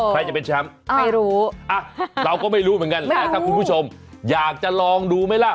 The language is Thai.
ใครจะเป็นแชมป์ไม่รู้เราก็ไม่รู้เหมือนกันแต่ถ้าคุณผู้ชมอยากจะลองดูไหมล่ะ